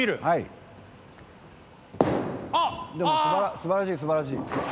すばらしいすばらしい！